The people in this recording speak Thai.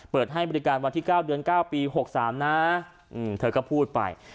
เปิดให้บริการวันที่๙เดือน๙ปี๖๓นะเธอก็พูดไป